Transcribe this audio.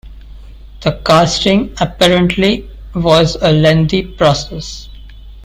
The casting apparently was a lengthy process.